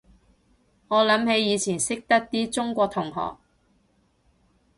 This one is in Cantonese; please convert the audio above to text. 我諗起以前識得啲中國同學